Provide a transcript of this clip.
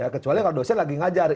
kecuali kalau dosen lagi ngajar